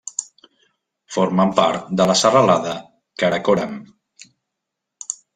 Formen part de la serralada Karakoram.